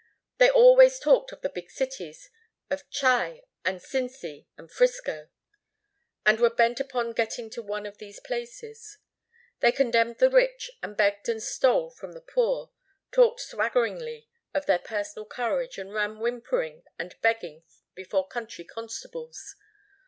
They always talked of the big cities, of "Chi" and "Cinci" and "Frisco," and were bent upon getting to one of these places. They condemned the rich and begged and stole from the poor, talked swaggeringly of their personal courage and ran whimpering and begging before country constables.